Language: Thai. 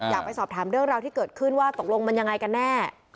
อยากไปสอบถามเรื่องราวที่เกิดขึ้นว่าตกลงมันยังไงกันแน่